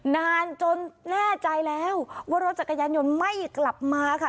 นานจนแน่ใจแล้วว่ารถจักรยานยนต์ไม่กลับมาค่ะ